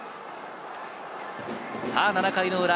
７回の裏。